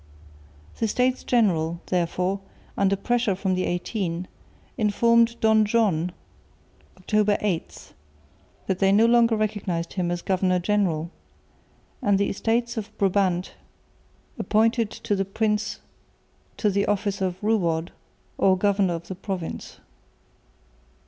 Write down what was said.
The States General, therefore, under pressure from the Eighteen, informed Don John, October 8, that they no longer recognised him as governor general; and the Estates of Brabant appointed the prince to the office of Ruward or governor of the province.